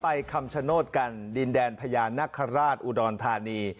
คำชโนธกันดินแดนพญานาคาราชอุดรธานี